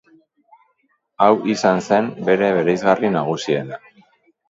Hau izan zen bere bereizgarri nagusiena.